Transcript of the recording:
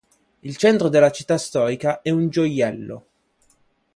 Il centro della città storica è un gioiello.